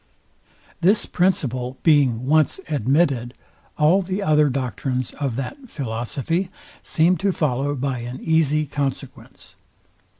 This principle being once admitted, all the other doctrines of that philosophy seem to follow by an easy consequence.